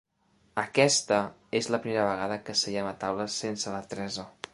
Aquesta és la primera vegada que seiem a taula sense la Teresa.